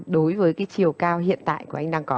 đối với cái chiều cao hiện tại của anh đang có